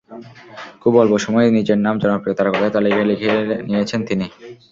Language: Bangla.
খুব অল্প সময়েই নিজের নাম জনপ্রিয় তারকাদের তালিকায় লিখিয়ে নিয়েছেন তিনি।